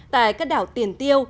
tại các đảo tiền tiêu